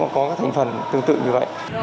có các thành phần tương tự như vậy